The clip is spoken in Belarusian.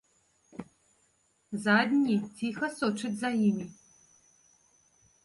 Задні ціха сочыць за імі.